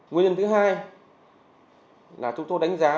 nguyên nhân thứ hai là chúng tôi đánh giá